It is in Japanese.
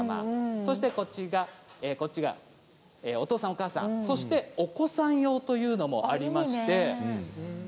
そしてこちらがお父さんお母さんそしてお子さん用というのもあります。